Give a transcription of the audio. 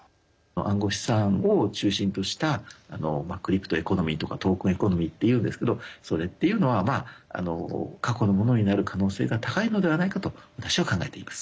暗号資産を中心としたクリプトエコノミーとかトークンエコノミーっていうんですけどそれっていうのは過去のものになる可能性が高いのではないかと私は考えています。